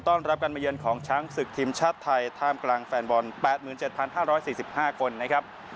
รับการมาเยือนของช้างศึกทีมชาติไทยท่ามกลางแฟนบอล๘๗๕๔๕คนนะครับ